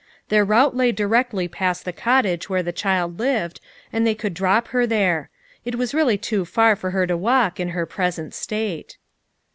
Their route lay directly past the cottage where the child lived, and they could drop her there; it was really too far for her to walk, in her present state.